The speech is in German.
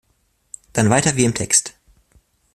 Dann weiter wie im Text.